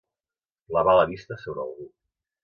Clavar la vista sobre algú.